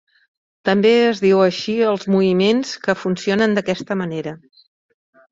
També es diu així als Moviments que funcionen d'aquesta manera.